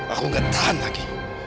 aku gak tahan lagi